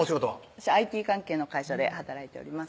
私ＩＴ関係の会社で働いております